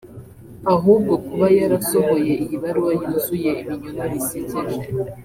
Ahubwo kuba yarasohoye iyi baruwa yuzuye ibinyoma bisekeje